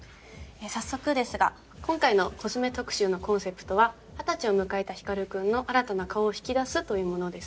早速ですが今回のコスメ特集のコンセプトは二十歳を迎えた光君の新たな顔を引き出すというものです。